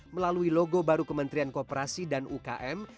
melalui logo baru kementerian kooperasi dan ukm